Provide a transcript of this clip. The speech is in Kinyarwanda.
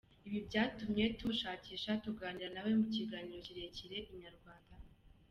Ibi byatumye tumushakisha tuganira nawe, mu kiganiro kirekire Inyarwanda.